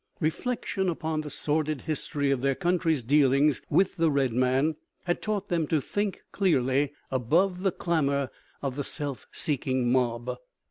Reflection upon the sordid history of their country's dealings with the red man had taught them to think clearly, above the clamor of the self seeking mob.